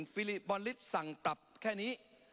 ฟิลิปบอลลิสสั่งปรับแค่นี้